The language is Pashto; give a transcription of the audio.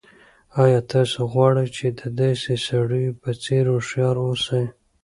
آیا تاسو غواړئ چې د داسې سړیو په څېر هوښیار اوسئ؟